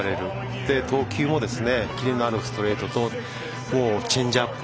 そして、投球もキレのあるストレートとチェンジアップ。